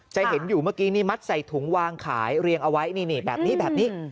จะเห็นอยู่เมื่อกี้นี่มัดใส่ถุงวางขายเรียงเอาไว้นี่แบบนี้แบบนี้